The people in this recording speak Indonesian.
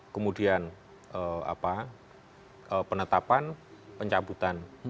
kemudian apa penetapan pencabutan